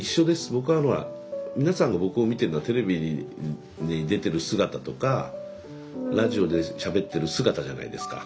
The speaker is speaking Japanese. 僕は皆さんが僕を見てるのはテレビに出てる姿とかラジオでしゃべってる姿じゃないですか。